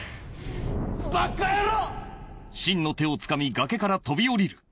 バカ野郎！